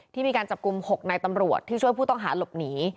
ที่มีการจับกลุ่ม๖นายตำรวจที่ช่วยผู้ต้องหาหลบหนี